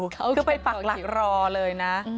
คือไปปักหลักรอเลยนะ